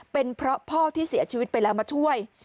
เป็นเพราะพ่อที่เสียชีวิตไปแล้วมาช่วย